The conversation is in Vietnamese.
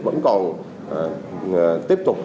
vẫn còn tiếp tục